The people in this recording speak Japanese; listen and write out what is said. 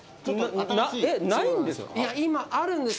えっないんですか？